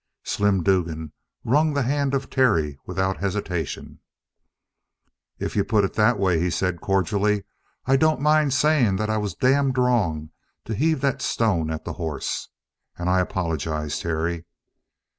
Slim Dugan wrung the hand of Terry without hesitation. "If you put it that way," he said cordially, "I don't mind saying that I was damned wrong to heave that stone at the hoss. And I apologize, Terry."